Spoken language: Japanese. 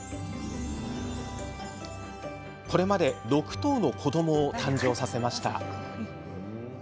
これまで６頭の子どもを誕生させました。